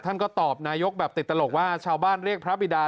ท่านก็ตอบนายกแบบติดตลกว่าชาวบ้านเรียกพระบิดา